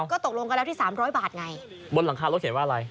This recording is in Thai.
ก็ตกลงกันแล้วที่สามร้อยบาทไงบนหลังคารถเขียนว่าอะไร